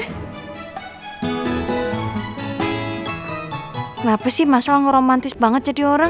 kenapa sih mas sholat ngeromantis banget jadi orang